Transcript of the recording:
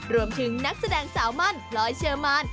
รวมถึงนักแสดงสาวมั่นลอยเชิมาน